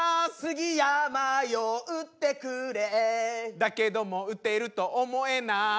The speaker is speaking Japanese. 「だけども打てると思えない」